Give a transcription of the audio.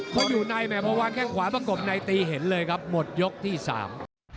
พออยู่ในแหมพอวางแข้งขวาประกบในตีเห็นเลยครับหมดยกที่สาม